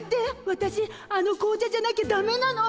わたしあの紅茶じゃなきゃだめなの！